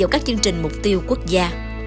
vào các chương trình mục tiêu quốc gia